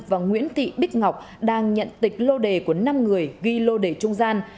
và nguyễn thị bích ngọc đang nhận tịch lô đề của năm người ghi lô đề trung gian